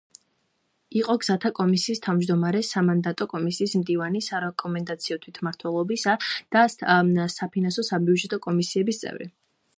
იყო გზათა კომისიის თავმჯდომარე, სამანდატო კომისიის მდივანი, სარეკომენდაციო, თვითმმართველობის და საფინანსო-საბიუჯეტო კომისიების წევრი.